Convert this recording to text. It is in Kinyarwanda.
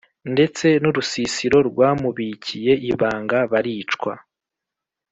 ndetse nurusisiro rwamubikiye ibanga baricwa.